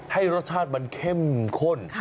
ให้รสชาติมันเข้มข้น